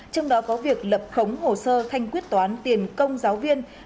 trong đó có việc lập khống hồ sơ thanh quyết toán tiền công giáo viên